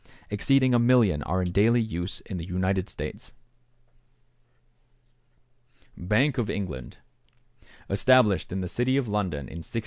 Exceeding a million are in daily use in the United States. =Bank of England.= Established in the city of London in 1694.